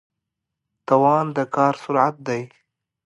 توان د کار سرعت دی.